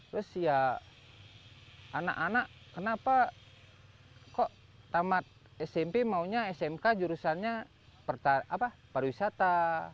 terus ya anak anak kenapa kok tamat smp maunya smk jurusannya pariwisata